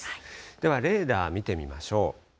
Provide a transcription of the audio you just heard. ではレーダー見てみましょう。